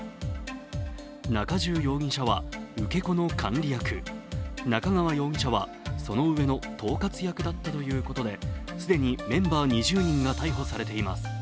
中重容疑者は受け子の管理役、中川容疑者はその上の統括役だったということで既にメンバー２０人が逮捕されています。